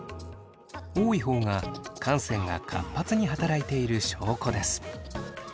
多い方が汗腺が活発に働いている証拠です。